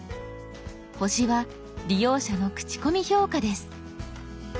「星」は利用者の口コミ評価です。